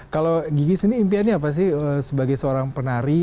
kalau gigi sini impiannya apa sih sebagai seorang penari